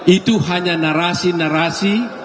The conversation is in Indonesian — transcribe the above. itu hanya narasi narasi